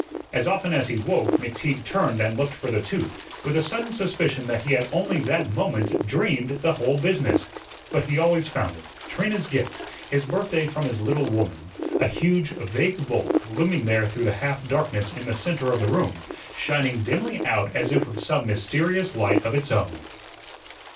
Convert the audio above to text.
As often as he woke, McTeague turned and looked for the tooth, with a sudden suspicion that he had only that moment dreamed the whole business. But he always found it Trina's gift, his birthday from his little woman a huge, vague bulk, looming there through the half darkness in the centre of the room, shining dimly out as if with some mysterious light of its own.